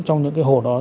trong những hồ lớn